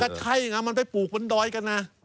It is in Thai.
ก็ใช่ไงมันไปปลูกบนดอยกันนะ